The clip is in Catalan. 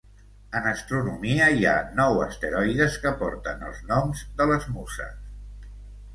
En astronomia, hi ha nou asteroides que porten els noms de les muses.